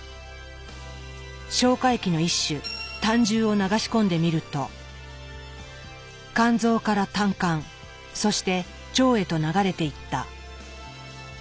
消化液の一種胆汁を流し込んでみると肝臓から胆管そして腸へと流れていった。